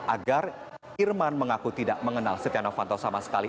agar irman mengaku tidak mengenal setia novanto sama sekali